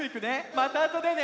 またあとでね！